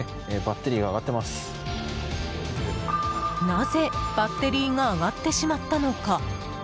なぜ、バッテリーが上がってしまったのか？